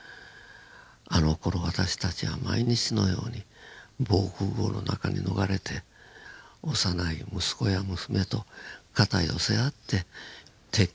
「あのころ私たちは毎日のように防空壕の中に逃れて幼い息子や娘と肩寄せ合って敵機におびえていた。